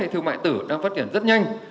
hay thương mại tử đang phát triển rất nhanh